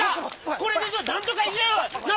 これでなんとかいえよ！